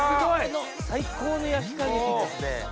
最高の焼き加減ですね。